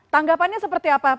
tanggapannya seperti apa